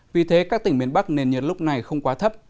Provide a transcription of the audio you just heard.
vì thế các tỉnh miền bắc nền nhiệt lúc này không quá thấp